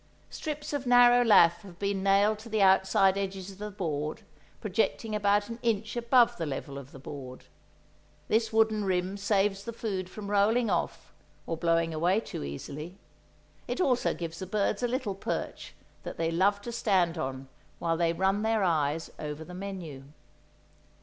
Strips of narrow lath have been nailed to the outside edges of the board, projecting about an inch above the level of the board. This wooden rim saves the food from rolling off, or blowing away too easily; it also gives the birds a little perch that they love to stand on while they run their eyes over the menu.